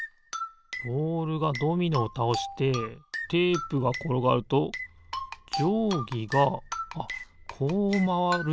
ボールがドミノをたおしてテープがころがるとじょうぎがあこうまわる？